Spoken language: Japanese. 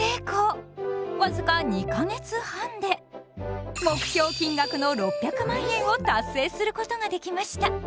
わずか２か月半で目標金額の６００万円を達成することができました。